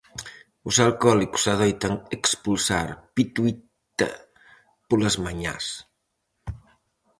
Os alcohólicos adoitan expulsar pituíta polas mañás.